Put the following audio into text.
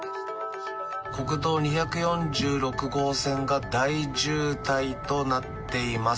国道２４６号線が大渋滞となっています。